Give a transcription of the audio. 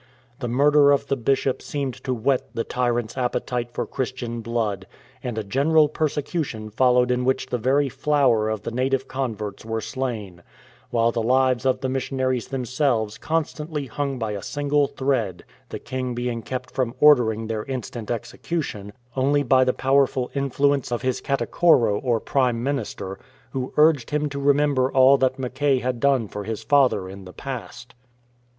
The murder of the Bishop seemed to whet the tyranfs appetite for Christian blood, and a general persecution followed in which the very flower of the native converts were slain, while the lives of the missionaries themselves constantly hung by a single thread — the king being kept from ordering their instant execution only by the powerful influence of his Katikoro 112 A VISIT FROM STANLEY or Prime Minister, who urged him to remember all that Mackay had done for his father in the past.